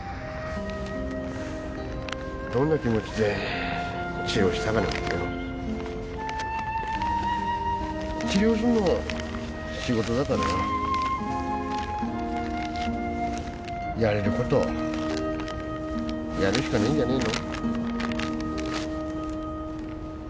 どんな気持ちで治療したかなんて治療すんのが仕事だからよやれることやるしかねえんじゃねえの？